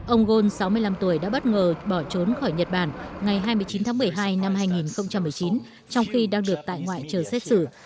ông ghosn sáu mươi năm tuổi đã bất ngờ bỏ trốn khỏi nhật bản ngày hai mươi chín tháng một mươi hai năm hai nghìn một mươi chín trong khi đang được tại ngoại chờ xét xử